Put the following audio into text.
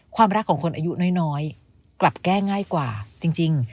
ความรักของคนอายุน้อยกลับแก้ง่ายกว่าจริง